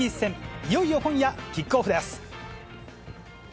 いよいよ今夜キックオフです。